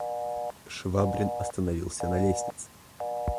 Швабрин остановился на лестнице.